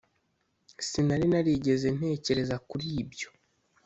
sinari narigeze ntekereza kuri ibyo.